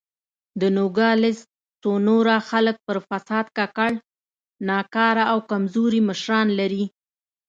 د نوګالس سونورا خلک پر فساد ککړ، ناکاره او کمزوري مشران لري.